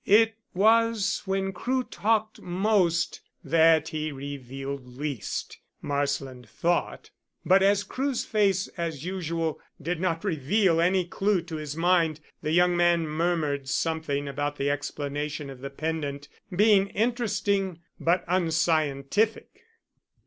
It was when Crewe talked most that he revealed least, Marsland thought. But as Crewe's face, as usual, did not reveal any clue to his mind, the young man murmured something about the explanation of the pendant being interesting, but unscientific.